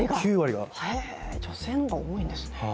女性の方が多いんですね。